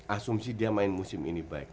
asumsi dia main musim ini baik